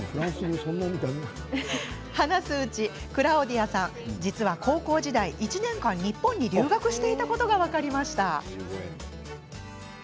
話すうちに、クラオディアさん実は高校時代に１年間日本に留学していたことが分かりました。